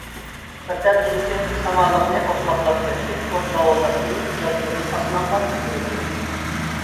بىردەمدىن كېيىن سامانلىقنى ئوت قاپلاپ كەتتى، ئوت لاۋۇلداپ كۆيۈپ، يالقۇنى ئاسمانغا كۆتۈرۈلدى.